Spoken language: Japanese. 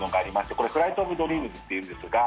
これ、フライト・オブ・ドリームズっていうんですが。